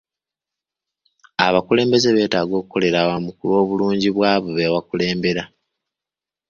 Abakulembeze beetaaga okukolera awamu ku lw'obulungi bwa be bakulembera.